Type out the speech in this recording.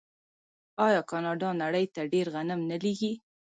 آیا کاناډا نړۍ ته ډیر غنم نه لیږي؟